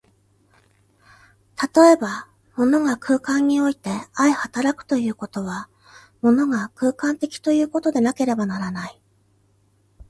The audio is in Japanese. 例えば、物が空間において相働くということは、物が空間的ということでなければならない。